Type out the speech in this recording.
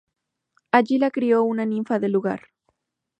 Allí la crio una ninfa del lugar.